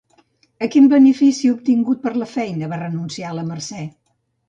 A quin benefici obtingut per la feina va renunciar, la Mercè?